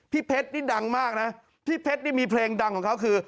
เพชรนี่ดังมากนะพี่เพชรนี่มีเพลงดังของเขาคือ